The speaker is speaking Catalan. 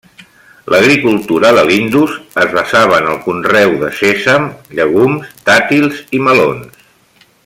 L'agricultura de l'Indus es basava en el conreu de sèsam, llegums, dàtils i melons.